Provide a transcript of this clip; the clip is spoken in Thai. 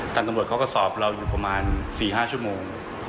ตำรวจเขาก็สอบเราอยู่ประมาณ๔๕ชั่วโมง